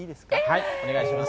はい、お願いします。